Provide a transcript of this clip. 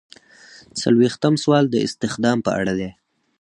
څلویښتم سوال د استخدام په اړه دی.